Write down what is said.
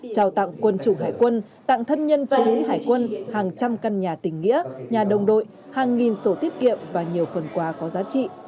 trao tặng quân chủng hải quân tặng thân nhân chiến sĩ hải quân hàng trăm căn nhà tỉnh nghĩa nhà đồng đội hàng nghìn sổ tiết kiệm và nhiều phần quà có giá trị